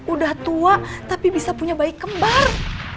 udah tua tapi bisa punya bayi kembar